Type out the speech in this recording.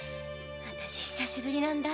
久しぶりなんだ